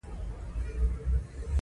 وسله سوله له منځه وړي